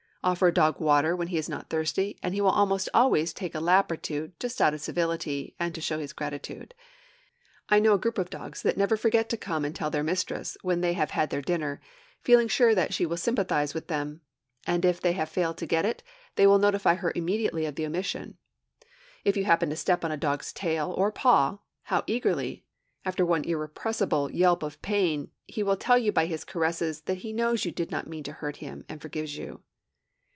Offer a dog water when he is not thirsty, and he will almost always take a lap or two, just out of civility, and to show his gratitude. I know a group of dogs that never forget to come and tell their mistress when they have had their dinner, feeling sure that she will sympathize with them; and if they have failed to get it, they will notify her immediately of the omission. If you happen to step on a dog's tail or paw, how eagerly after one irrepressible yelp of pain will he tell you by his caresses that he knows you did not mean to hurt him and forgives you!